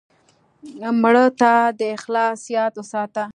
مړه ته د اخلاص یاد وساته